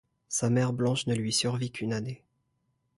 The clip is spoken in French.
Sa mère Blanche ne lui survit qu'une année.